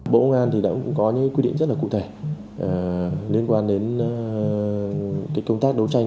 bộ công an đã có những quy định rất là cụ thể liên quan đến công tác đấu tranh